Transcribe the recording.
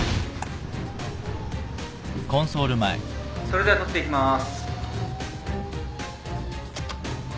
それでは撮っていきます。